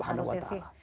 oh harusnya sih